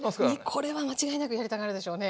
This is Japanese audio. これは間違いなくやりたがるでしょうね。